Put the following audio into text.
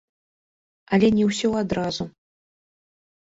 Але не ўсё адразу.